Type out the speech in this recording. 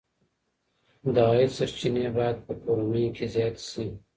د عاید سرچینې باید په کورنیو کې زیاتې شي.